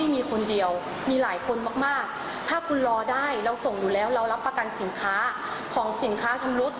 มีคนเดียวมีหลายคนมากถ้าคุณรอได้เราส่งอยู่แล้วเรารับประกันสินค้าของสินค้าชำรุด